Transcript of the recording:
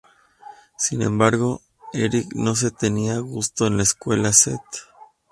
Sin embargo, Eric no se sentía a gusto en la escuela St.